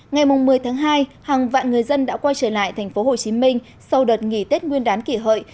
ngày một mươi tháng hai hàng vạn người dân đã quay trở lại tp hcm sau đợt nghỉ tết nguyên đán kỷ hợi